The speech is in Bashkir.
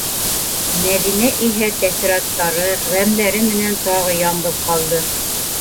Мәҙинә иһә тәьҫораттары, ғәмдәре менән тағы яңғыҙ ҡалды.